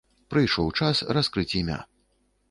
Прыйшоў час раскрыць імя.